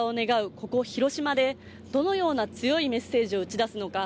ここ広島でどのような強いメッセージを打ち出すのか。